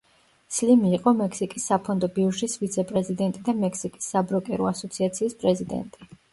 სლიმი იყო მექსიკის საფონდო ბირჟის ვიცე პრეზიდენტი და მექსიკის საბროკერო ასოციაციის პრეზიდენტი.